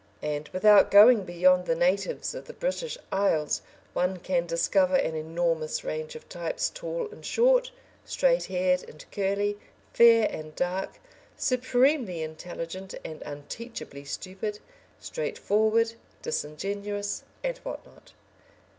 And, without going beyond the natives of the British Isles, one can discover an enormous range of types, tall and short, straight haired and curly, fair and dark, supremely intelligent and unteachably stupid, straightforward, disingenuous, and what not.